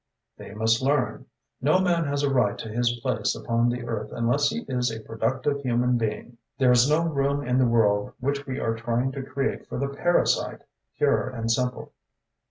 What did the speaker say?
"They must learn. No man has a right to his place upon the earth unless he is a productive human being. There is no room in the world which we are trying to create for the parasite pure and simple."